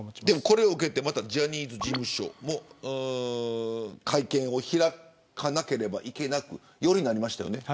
これを受けてジャニーズ事務所もより、会見を開かなければいけなくなりましたよね。